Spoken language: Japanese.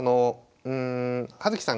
葉月さん